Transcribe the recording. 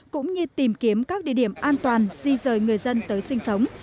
cũng như tìm kiếm các địa điểm an toàn di rời người dân tới sinh sống